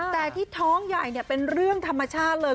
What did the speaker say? แต่ที่ท้องใหญ่เป็นเรื่องธรรมชาติเลย